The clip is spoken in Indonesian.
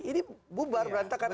ini bubar berantakan